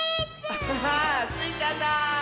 アハハー！スイちゃんだ！